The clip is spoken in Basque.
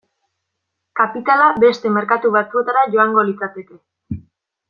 Kapitala beste merkatu batzuetara joango litzateke.